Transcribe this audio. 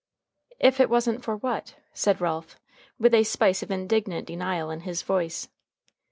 "If it wasn't for what?" said Ralph with a spice of indignant denial in his voice.